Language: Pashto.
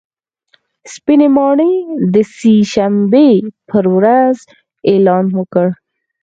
سپینې ماڼۍ د سې شنبې په ورځ اعلان وکړ